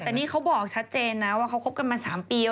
แต่นี่เขาบอกชัดเจนนะว่าเขาคบกันมา๓ปี